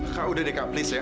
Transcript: kak udah deh kak please ya